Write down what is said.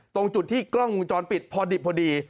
ตรงจุดที่กล้องวงจรปิดพอดิบพอดี